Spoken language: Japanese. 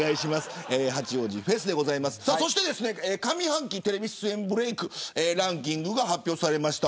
そして上半期テレビ出演ブレイクランキングが発表されました。